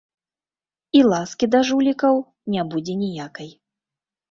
І ласкі да жулікаў не будзе ніякай.